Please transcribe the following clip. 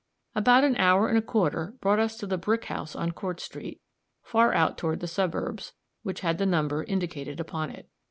About an hour and a quarter brought us to the brick house on Court street, far out toward the suburbs, which had the number indicated upon it.